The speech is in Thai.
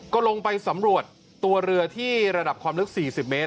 ก็ลงไปสำรวจตัวเรือที่ระดับความลึก๔๐เมตร